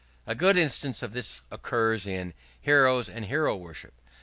A good instance of this occurs in 'Heroes and Heroworship.'